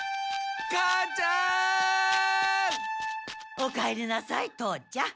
お帰りなさい父ちゃん。